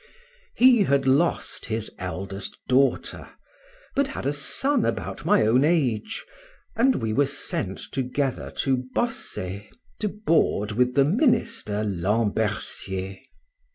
He had lost his eldest daughter, but had a son about my own age, and we were sent together to Bossey, to board with the Minister Lambercier.